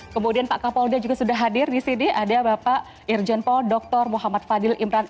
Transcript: kemudian pak kapolda juga sudah hadir di sini ada bapak irjen paul dr muhammad fadil imran